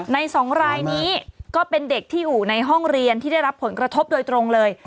ในสองรายนี้ก็เป็นเด็กที่อยู่ในห้องเรียนที่ได้รับผลกระทบโดยตรงเลย